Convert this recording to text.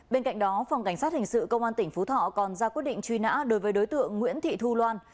bên cạnh đó phòng cảnh sát hình sự công an tỉnh phú thọ còn ra quyết định truy nã đối với đối tượng nguyễn thị thu loan